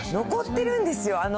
残ってるんですよ。